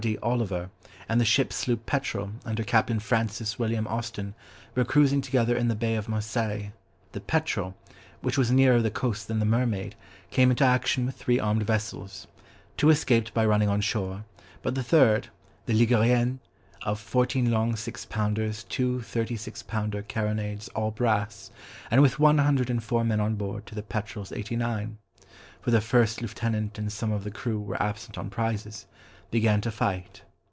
D. Oliver, and the ship sloop Petrel, under Captain Francis William Austen, were cruising together in the Bay of Marseilles, the Petrel, which was nearer the coast than the Mermaid, came into action with three armed vessels; two escaped by running on shore, but the third, the Ligurienne of "fourteen long six pounders two thirty six pounder carronades all brass" and with one hundred and four men on board to the Petrel's eighty nine,—for the first lieutenant and some of the crew were absent on prizes,—began to fight.